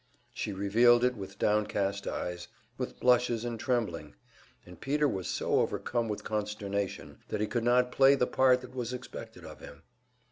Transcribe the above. She revealed it with downcast eyes, with blushes and trembling; and Peter was so overcome with consternation that he could not play the part that was expected of him.